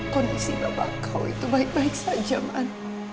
kondisi bapak kau itu baik baik saja man